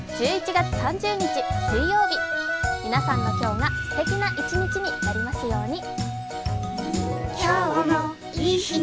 １１月３０日水曜日、皆さんの今日がすてきな一日になりますように。